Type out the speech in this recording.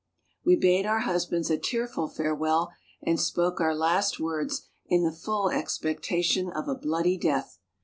We bade our husbands a tearful farewell and spoke our last words in the full expectation of a bloody death.